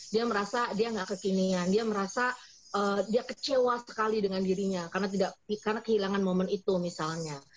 dia merasa dia nggak kekinian dia merasa dia kecewa sekali dengan dirinya karena kehilangan momen itu misalnya